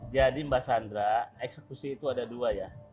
jadi mbak sandra eksekusi itu ada dua ya